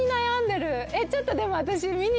ちょっとでも私。